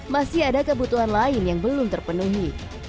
masih ada kebutuhan lain yang belum terpenuhi